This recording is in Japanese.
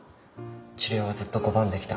治療はずっと拒んできた。